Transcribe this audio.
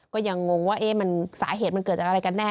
ก็ยังงงว่าสาเหตุมันเกิดจากอะไรกันแน่